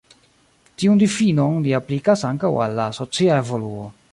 Tiun difinon li aplikas ankaŭ al la socia evoluo.